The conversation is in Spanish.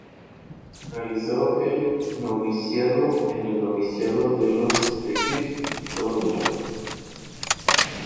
Realizó el noviciado en el Noviciado de Los Teques, Estado Miranda.